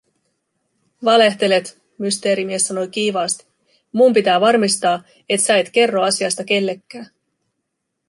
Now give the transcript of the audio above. "Valehtelet", Mysteerimies sanoi kiivaasti, "mun pitää varmistaa, et sä et kerro asiasta kellekkää."